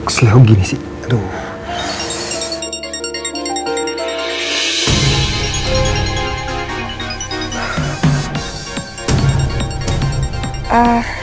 keselihau gini sih aduh